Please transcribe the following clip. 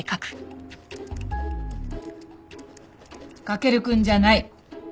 駆くんじゃない。